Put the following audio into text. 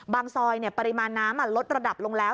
ซอยปริมาณน้ำลดระดับลงแล้ว